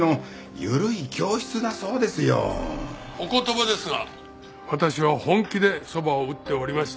お言葉ですが私は本気でそばを打っておりました。